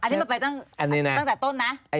อันนี้มันไปตั้งแต่ต้นนะ